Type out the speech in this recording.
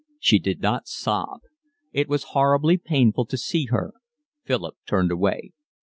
She did not sob. It was horribly painful to see her. Philip turned away.